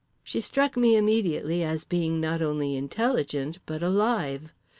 She struck me immediately as being not only intelligent but alive.